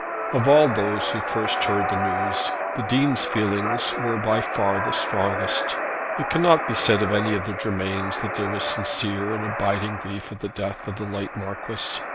Of all those who first heard the news, the Dean's feelings were by far the strongest. It cannot be said of any of the Germains that there was sincere and abiding grief at the death of the late Marquis.